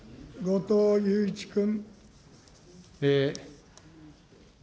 後藤祐一君。